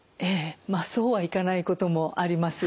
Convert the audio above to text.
まあそうはいかないこともあります。